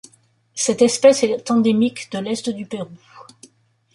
Cette espèce est endémique de l'est du Pérou.